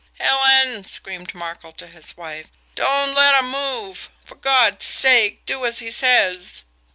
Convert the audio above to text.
"Helen," screamed Markel to his wife, "don't let 'em move! For God's sake, do as he says!"